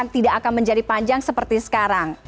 tidak akan menjadi panjang seperti sekarang